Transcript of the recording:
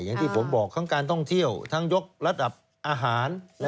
อย่างที่ผมบอกทั้งการท่องเที่ยวทั้งยกระดับอาหาร